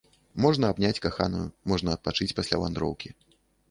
Можна абняць каханую, можна адпачыць пасля вандроўкі.